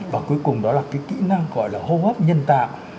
và cuối cùng đó là cái kỹ năng gọi là hô hấp nhân tạo